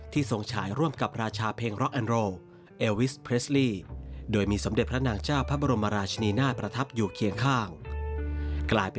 ติดตามพร้อมกันจากรายงานค่ะ